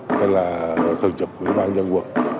hay là tường trực của bàn dân quận